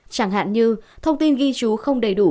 chẳng hạn như thông tin ghi chú không đầy đủ